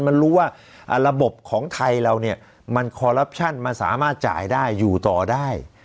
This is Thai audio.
มันรู้ว่าระบบของไทยเราเนี้ยมันมาสามารถจ่ายได้อยู่ต่อได้